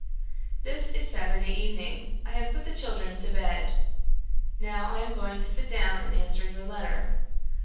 "This is Saturday evening; I have put the children to bed; now I am going to sit down and answer your letter.